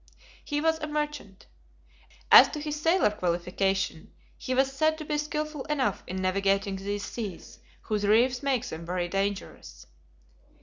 He was a merchant. As to his sailor qualification, he was said to be skillful enough in navigating these seas, whose reefs make them very dangerous.